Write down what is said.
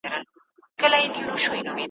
ما لیدې چي به په توره شپه کي راسې ,